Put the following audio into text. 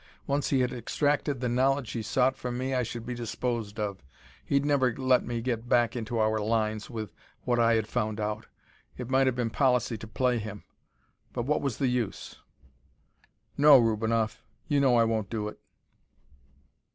Once he had extracted the knowledge he sought from me, I should be disposed of. He'd never let me get back into our lines with what I had found out. It might have been policy to play him but what was the use? "No, Rubinoff. You know I won't do it."